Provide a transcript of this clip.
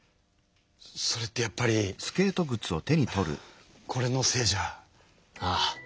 それってやっぱりこれのせいじゃ？ああ。